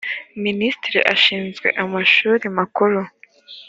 minisitiri ashinzwe amashuri makuru.